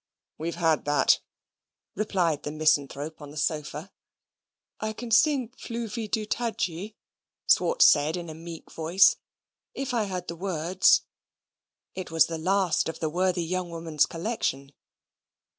"We've had that," replied the misanthrope on the sofa. "I can sing 'Fluvy du Tajy,'" Swartz said, in a meek voice, "if I had the words." It was the last of the worthy young woman's collection.